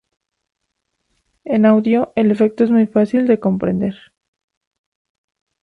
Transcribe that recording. En audio, el efecto es muy fácil de comprender.